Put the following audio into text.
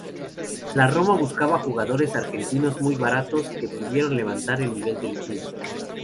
La Roma buscaba jugadores argentinos muy baratos que pudieron levantar el nivel del club.